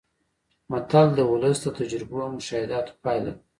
متل د ولس د تجربو او مشاهداتو پایله ده